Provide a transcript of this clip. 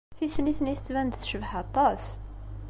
Tislit-nni tettban-d tecbeḥ aṭas.